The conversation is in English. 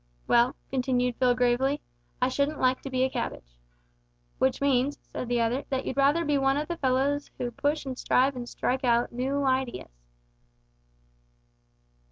"Well," continued Phil gravely, "I shouldn't like to be a cabbage." "W'ich means," said the other, "that you'd rather be one o' the fellows who push an' strive an strike out noo ideas."